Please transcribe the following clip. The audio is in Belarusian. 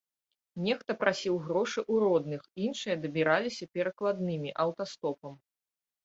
Нехта прасіў грошы ў родных, іншыя дабіраліся перакладнымі, аўтастопам.